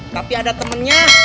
tapi ada temennya